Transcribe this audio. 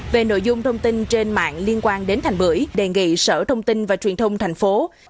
về nội dung thông tin trên mạng liên quan đến thành bưởi đề nghị sở thông tin và truyền thông thành phố